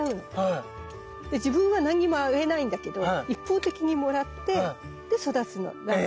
で自分は何にもあげないんだけど一方的にもらってで育つの。え。